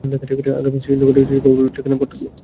আমাকে শ্র্রীনগরে ঋষিবরবাবুর বাড়ীর ঠিকানায় পত্র দিও।